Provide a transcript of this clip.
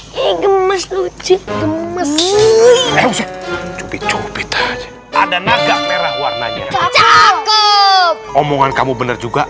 hai gemes lucu gemes lebih cepet cepet aja ada naga merah warnanya koko omongan kamu bener juga